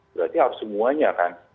berarti harus semuanya kan